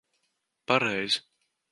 Pareizi.